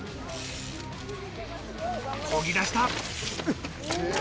こぎ出した。